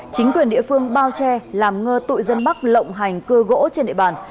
chính quyền địa phương bao che làm ngơ tội dân bắc lộng hành cưa gỗ trên địa bàn